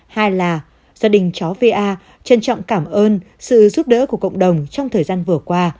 hai là gia đình chó va trân trọng cảm ơn sự giúp đỡ của cộng đồng trong thời gian vừa qua